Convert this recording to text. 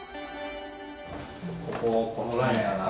こここのラインかな